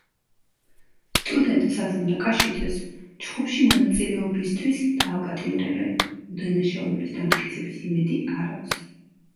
სტუდენტ ზაზა ნაკაშიძეს, ჩხუბში მონაწილეობისთვის დააპატიმრებენ, უდანაშაულობის დამტკიცების იმედი არ აქვს.